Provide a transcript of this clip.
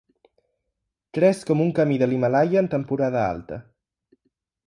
Tres com un camí de l'Himàlaia en temporada alta.